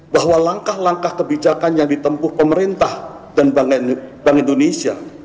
bahwa langkah langkah kebijakan yang ditempuh pemerintah dan bank indonesia